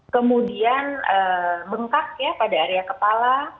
kemudian bengkak ya pada area kepala